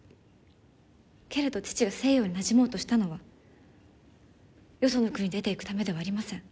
けれど父が西洋になじもうとしたのはよその国に出ていくためではありません。